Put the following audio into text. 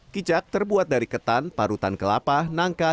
kicak terbuat dari ketan parutan kelapa nangka